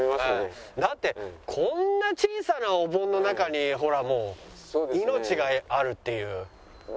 だってこんな小さなお盆の中にほらもう命があるっていう。